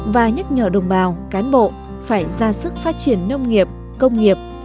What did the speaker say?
và nhắc nhở đồng bào cán bộ phải ra sức phát triển nông nghiệp công nghiệp